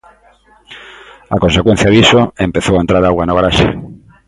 A consecuencia diso, empezou a entrar auga no garaxe.